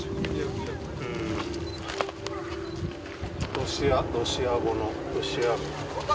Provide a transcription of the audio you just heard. ロシアロシア語のロシア。